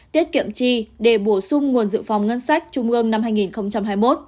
tiết kiệm chi để bổ sung nguồn dự phòng ngân sách trung ương năm hai nghìn hai mươi một